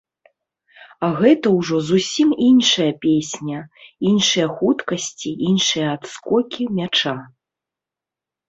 А гэта ўжо зусім іншая песня, іншыя хуткасці, іншыя адскокі мяча.